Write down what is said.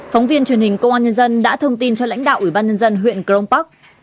phóng viên truyền hình công an nhân dân đã thông tin cho lãnh đạo ủy ban nhân dân huyện crong park